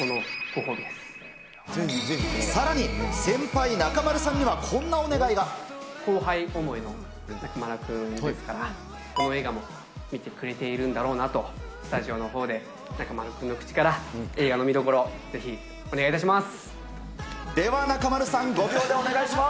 さらに先輩、中丸さんにはこ後輩思いの中丸君ですから、この映画も見てくれているんだろうなと、スタジオのほうで中丸君の口から映画の見どころをぜひお願いいたでは中丸さん、５秒でお願いします。